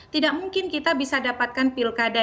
tidak mungkin kita bisa dapatkan pilkada